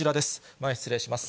前、失礼します。